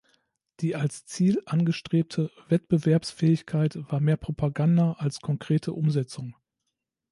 Die als Ziel angestrebte Wettbewerbsfähigkeit war mehr Propaganda als konkrete Umsetzung.